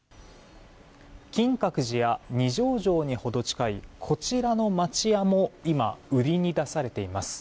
金閣寺や二条城に程近いこちらの町屋も今、売りに出されています。